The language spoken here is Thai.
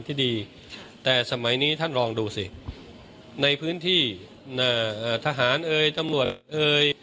ที่ดีแต่สมัยนี้ท่านลองดูสิในพื้นที่ทหารเอยตำรวจเอ่ย